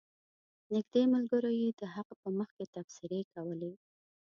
نږدې ملګرو یې د هغه په مخ کې تبصرې کولې.